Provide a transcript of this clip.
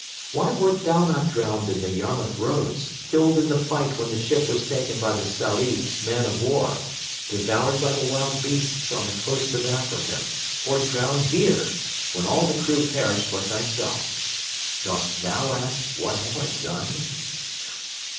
Why wert thou not drowned in Yarmouth Roads; killed in the fight when the ship was taken by the Sallee man of war; devoured by the wild beasts on the coast of Africa; or drowned here, when all the crew perished but thyself? Dost thou ask, what have I done?"